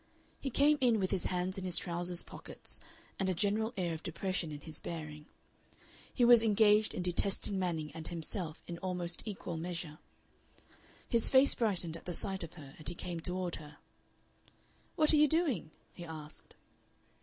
He came in with his hands in his trousers pockets and a general air of depression in his bearing. He was engaged in detesting Manning and himself in almost equal measure. His face brightened at the sight of her, and he came toward her. "What are you doing?" he asked.